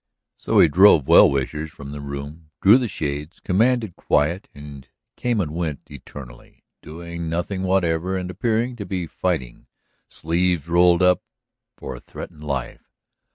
So he drove well wishers from the room, drew the shades, commanded quiet and came and went eternally, doing nothing whatever and appearing to be fighting, sleeves rolled up, for a threatened life.